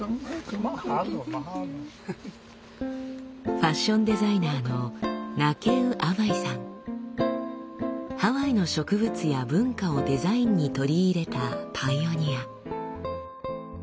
ファッションデザイナーのハワイの植物や文化をデザインに取り入れたパイオニア。